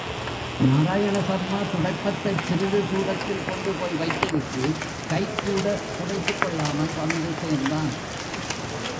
நாராயண சர்மா துடைப்பத்தைச் சிறிது தூரத்தில் கொண்டுபோய் வைத்துவிட்டு, கைக்கூட துடைத்துக் கொள்ளாமல் வந்து சேர்ந்தான்.